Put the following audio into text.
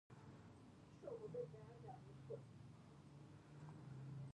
د افغانستان د اقتصادي پرمختګ لپاره پکار ده چې اړیکې ښې وي.